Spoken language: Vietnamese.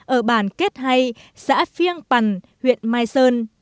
ở bản kết hay xã phiêng pằn huyện mai sơn